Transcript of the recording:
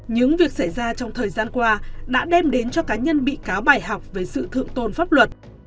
những việc xảy ra trong thời gian qua đã đem đến cho cá nhân bị cáo bài học về sự thượng tôn pháp luật